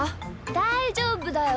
だいじょうぶだよ！